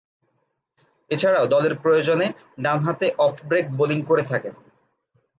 এছাড়াও দলের প্রয়োজনে ডানহাতে অফ ব্রেক বোলিং করে থাকেন।